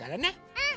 うん！